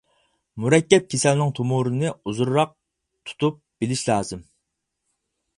مۇرەككەپ كېسەلنىڭ تومۇرىنى ئۇزۇنراق تۇتۇپ بىلىش لازىم.